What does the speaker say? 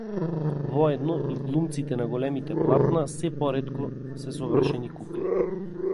Воедно и глумците на големите платна сѐ поретко се совршени кукли.